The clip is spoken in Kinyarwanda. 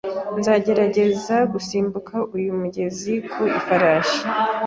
Nzagerageza gusimbuka uyu mugezi ku ifarashi